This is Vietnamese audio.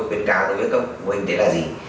khuyến cáo đối với các phụ huynh thế là gì